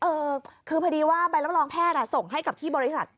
เออคือพอดีว่าใบรับรองแพทย์ส่งให้กับที่บริษัท